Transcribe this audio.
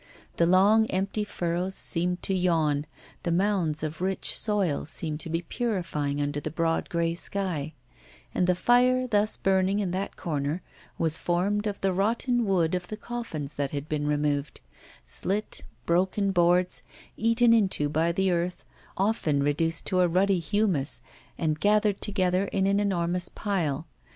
The long empty furrows seemed to yawn, the mounds of rich soil seemed to be purifying under the broad grey sky; and the fire thus burning in that corner was formed of the rotten wood of the coffins that had been removed slit, broken boards, eaten into by the earth, often reduced to a ruddy humus, and gathered together in an enormous pile.